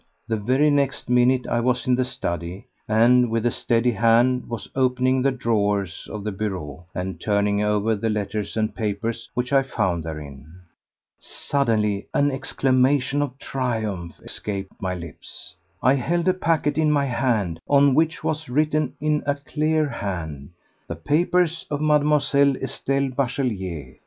The very next minute I was in the study and with a steady hand was opening the drawers of the bureau and turning over the letters and papers which I found therein. Suddenly an exclamation of triumph escaped my lips. I held a packet in my hand on which was written in a clear hand: "The papers of Mlle. Estelle Bachelier."